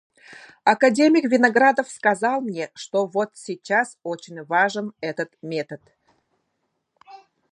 Академик Виноградов сказал мне, что вот сейчас очень важен этот метод.